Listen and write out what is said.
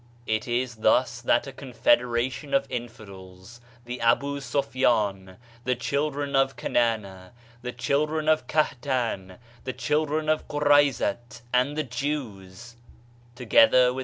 It is thus that a confederation of infidels, the Abu Sofyan, the children of Kanana, the children of Kahtan, the children of Quraizat and the Jews, * By die carl; fanatic Mussulmans.